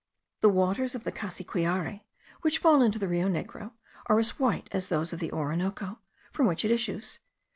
The waters of the Cassiquiare, which fall into the Rio Negro, are as white as those of the Orinoco, from which it issues.